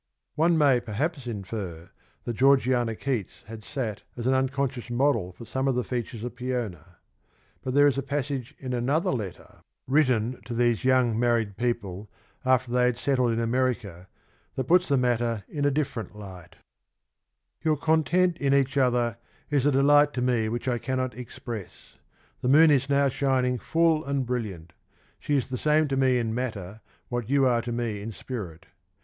"^ One may perhaps infer that Georgiana Keats had sat as an unconscious model for some of the features of Peona. But there is a passage in another letter, written to these young married people after they had settled in America, that puts the matter in a different light. 1 Letter of lOtli June, 1818. 26 " Your content in each other is a delight to me which I cannot express — the Moon is now shining full and brilliant — she is the same to me in Matter what you are to me in Spirit.